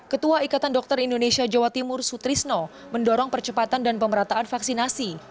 ketua ikatan dokter indonesia jawa timur sutrisno mendorong percepatan dan pemerataan vaksinasi